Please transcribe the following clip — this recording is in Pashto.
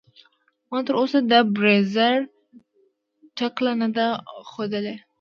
ما تر اوسه د بریځر ټکله نده خودلي.